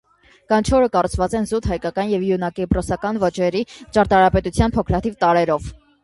Կանչուորը կառուցած են զուտ հայկական եւ յունակիպրոսական ոճերու ճարտարապետութեան փոքրաթիւ տարրերով։